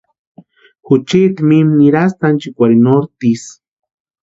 Juchiti mime nirasti anchikwarhini norte isï.